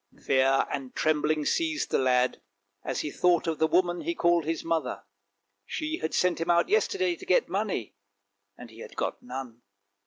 Fear and trembling seized the lad as he thought of the woman he called his mother. She had sent him out yesterday to get money, and he had got none.